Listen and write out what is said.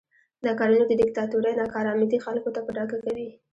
دا کارونه د دیکتاتورۍ ناکارآمدي خلکو ته په ډاګه کوي.